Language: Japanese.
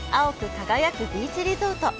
輝くビーチリゾート。